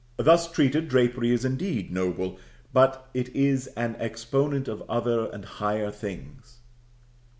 Thus treated, drapery is indeed noble; but it is as an exponent of other and higher things.